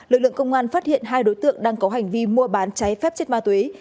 lực lượng công an phát hiện hai đối tượng đang có hành vi mua bán cháy phép chất ma túy